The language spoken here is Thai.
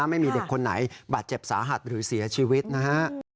ไม่มีเด็กคนไหนบาดเจ็บสาหัสหรือเสียชีวิตนะฮะ